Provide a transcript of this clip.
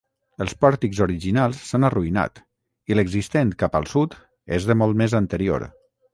Els pòrtics originals s'han arruïnat, i l'existent cap al sud és de molt més anterior.